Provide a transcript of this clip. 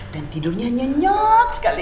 dan tidurnya nyenyak sekali